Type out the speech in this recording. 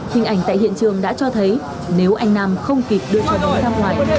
hình ảnh tại hiện trường đã cho thấy nếu anh nam không kịp đưa cháu đến sang ngoài